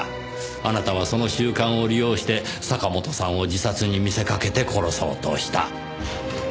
あなたはその習慣を利用して坂本さんを自殺に見せかけて殺そうとした。